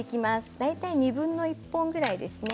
大体２分の１本ぐらいですね。